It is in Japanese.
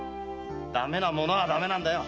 ダメなものはダメなんだよ。